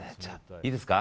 いいですか。